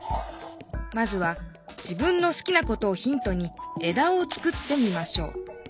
まずは自分のすきなことをヒントにえだを作ってみましょう。